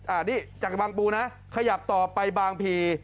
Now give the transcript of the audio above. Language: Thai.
อันนี้จากบางปูนะขยับต่อไปบางพี